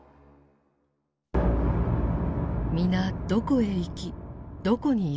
皆どこへ行きどこにいるのか。